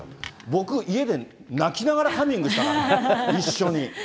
僕、家で泣きながらハミングしたからね、一緒に。